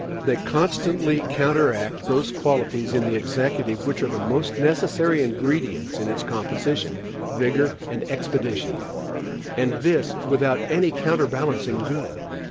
They constantly counteract those qualities in the Executive which are the most necessary ingredients in its composition vigor and expedition, and this without any counterbalancing good.